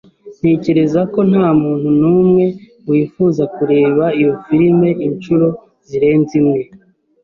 Ntekereza ko ntamuntu numwe wifuza kureba iyo firime inshuro zirenze imwe.